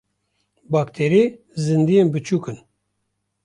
Bakterî zindiyên biçûk in.